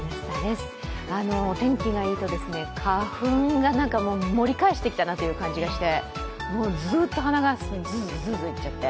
お天気がいいと花粉が盛り返してきたなという感じがして、ずっと鼻がズーズーいっちゃって。